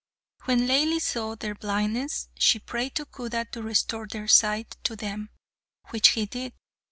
When Laili saw their blindness, she prayed to Khuda to restore their sight to them, which he did.